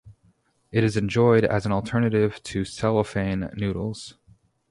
It is enjoyed as an alternative to cellophane noodles.